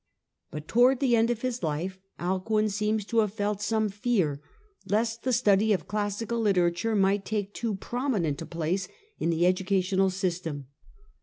But towards the end of his life, Alcuin seems to have felt some fear lest the study of classical literature might take too prominent a place in the educational system.